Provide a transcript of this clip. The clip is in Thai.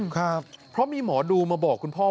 ครับ